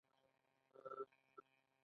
زه باید په هغه هم حکم وکړم.